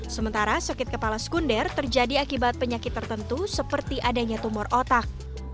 sementara sakit kepala sekunder terjadi akibat penyakit tertentu seperti adanya tumor otak